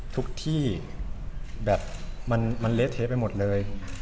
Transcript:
ทุกที่แบบมันเละเทะไปหมดเลย